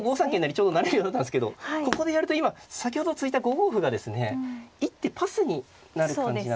ちょうど成れるようになったんですけどここでやると今先ほど突いた５五歩がですね一手パスになる感じなんですね。